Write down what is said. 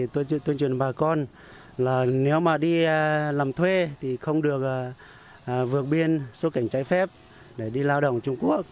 tôi tuyên truyền bà con là nếu mà đi làm thuê thì không được vượt biên xuất cảnh trái phép để đi lao động trung quốc